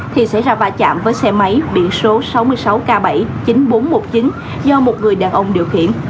thì xảy ra va chạm với xe máy biển số sáu mươi sáu k bảy mươi chín nghìn bốn trăm một mươi chín do một người đàn ông điều khiển